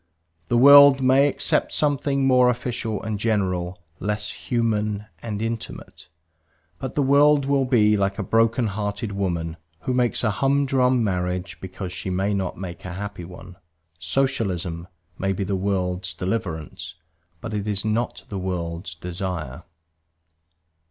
The world may accept something more official and general, less human and intimate. But the world will be like a broken hearted woman who makes a humdrum marriage because she may not make a happy one; Socialism may be the world's deliverance, but it is not the world's desire.